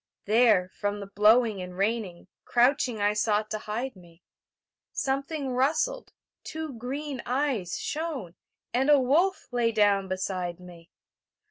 There, from the blowing and raining, Crouching I sought to hide me; Something rustled, two green eyes shone, And a wolf lay down beside me.